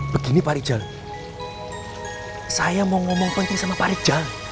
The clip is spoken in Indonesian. begini pak rijal saya mau ngomong penting sama pak rijal